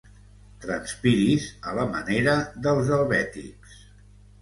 Transpiris a la manera dels helvètics.